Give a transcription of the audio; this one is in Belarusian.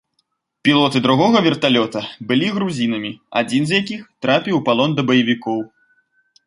Пілоты другога верталёта былі грузінамі, адзін з якіх трапіў у палон да баевікоў.